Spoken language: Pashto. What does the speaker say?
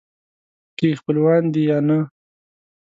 که یې خپلوان دي یا نه.